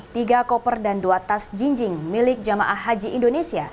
tiga koper dan dua tas jinjing milik jamaah haji indonesia